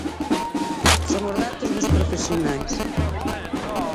Son os datos dos profesionais.